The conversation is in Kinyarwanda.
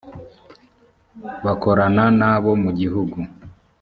bakorana na bo mu gihugu